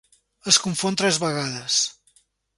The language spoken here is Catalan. Es confon tres vegades.